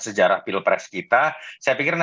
sejarah pilpres kita saya pikir